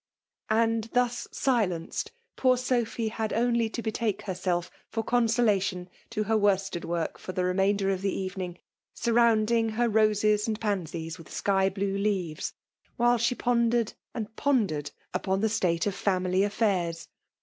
And thus silenced, poor Sophy had only to betake herself toe consolation to her worsted work for the remainder of the evening, sui iDonding her roses and pansies with sky blue leaves, while she pondered and pondered upon the state rf family aflTairs.